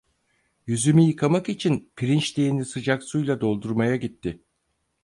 Yüzümü yıkamak için pirinç leğeni sıcak suyla doldurmaya gitti.